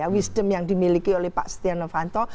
wisdom yang dimiliki oleh pak setia novanto